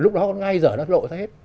lúc đó ngay giờ nó lộ ra hết